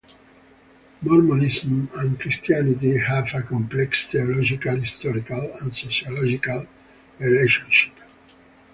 Mormonism and Christianity have a complex theological, historical, and sociological relationship.